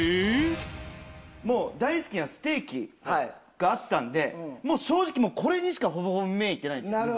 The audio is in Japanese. もう大好きなステーキがあったのでもう正直これにしかほぼほぼ目いってないんですよ。